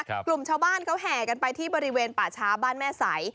กลุ่มชาวบ้านเขาแห่กันไปที่บริเวณป่าช้าบ้านแม่ใส